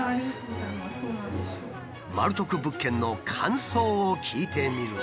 マル得物件の感想を聞いてみると。